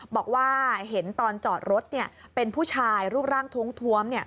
บอกว่าเห็นตอนจอดรถเป็นผู้ชายรูปร่างท้วม